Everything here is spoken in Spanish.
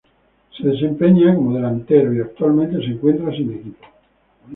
Se desempeña como delantero y actualmente se encuentra sin equipo.